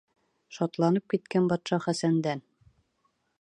Шатланып киткән батша Хәсәндән: